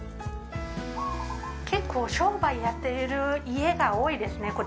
結構商売やってる家が多いですね。